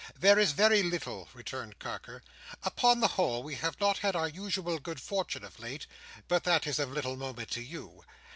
"There is very little," returned Carker. "Upon the whole we have not had our usual good fortune of late, but that is of little moment to you.